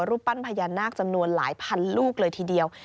รูปปั้นพญานาคจำนวนหลายพันลูกเลยทีเดียว